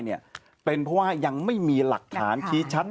เนี่ยเป็นเพราะว่ายังไม่มีหลักฐานชี้ชัด